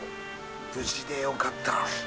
無事でよかった。